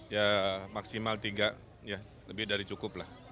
ya maksimal tiga ya lebih dari cukup lah